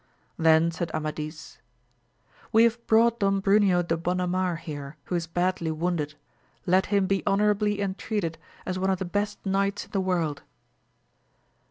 Then said Amadis, We have brought Don Bruneo de Bonamar here, who is badly wounded ; let him be honourably entreated as one of the best knights in the world.